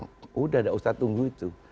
sudah tidak usah tunggu itu